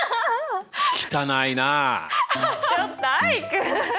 ちょっとアイク！